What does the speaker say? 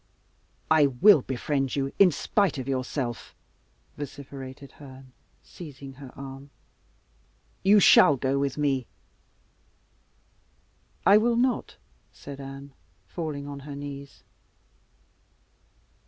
"I will befriend you in spite of yourself," vociferated Herne, seizing her arm; "you shall go with me!" "I will not," said Anne, falling on her knees.